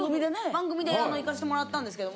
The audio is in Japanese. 番組で行かせてもらったんですけど。